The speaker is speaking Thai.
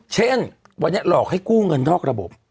เช่นวันนี้หลอกให้กู้เงินนอกระบบ